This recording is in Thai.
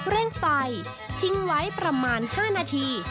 เร่งไฟทิ้งไว้ประมาณ๕นาที